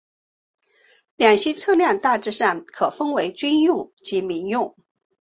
两栖车辆大致上可分为军用及民用。